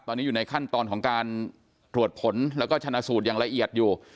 ตอนนี้อยู่ในขั้นตอนของการตรวจผลแล้วก็ชนะสูตรอย่างละเอียดอยู่